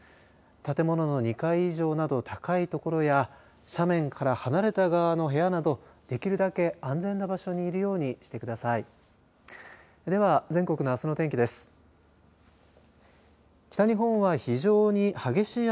建物の２階以上など高い所や斜面から離れた側の部屋などできるだけ安全な場所にいるようにしてください。